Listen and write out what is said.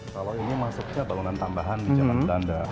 kalau ini maksudnya bangunan tambahan di zaman belanda